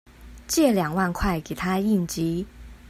借兩萬塊給她應急